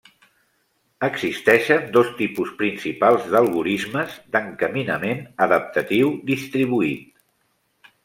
Existeixen dos tipus principals d'algorismes d'encaminament adaptatiu distribuït.